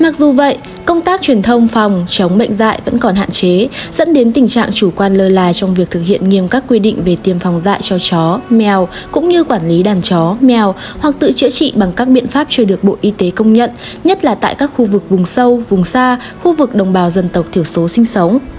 mặc dù vậy công tác truyền thông phòng chống bệnh dạy vẫn còn hạn chế dẫn đến tình trạng chủ quan lơ là trong việc thực hiện nghiêm các quy định về tiêm phòng dạy cho chó mèo cũng như quản lý đàn chó mèo hoặc tự chữa trị bằng các biện pháp chưa được bộ y tế công nhận nhất là tại các khu vực vùng sâu vùng xa khu vực đồng bào dân tộc thiểu số sinh sống